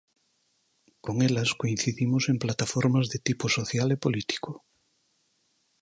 Con elas coincidimos en plataformas de tipo social e político.